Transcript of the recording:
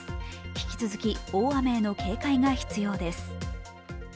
引き続き大雨への警戒が必要です。